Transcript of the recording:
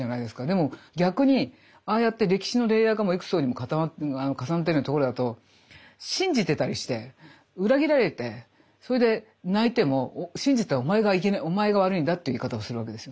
でも逆にああやって歴史のレイヤーが幾層にも重なってるようなところだと信じてたりして裏切られてそれで泣いても信じたおまえが悪いんだっていう言い方をするわけですよ。